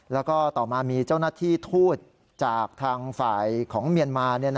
แล้วก็ต่อมามีเจ้าหน้าที่ทูตจากทางฝ่ายของเมียนมา